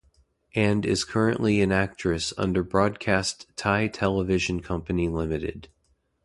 And is currently an actress under Broadcast Thai Television Company Limited.